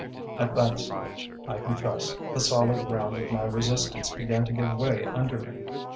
"At that stage, I confess, the solid ground of my resistance began to give way under me.